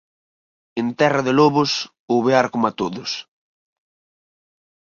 En terra de lobos, ouvear coma todos